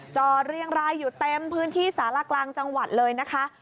เรียงรายอยู่เต็มพื้นที่สารกลางจังหวัดเลยนะคะ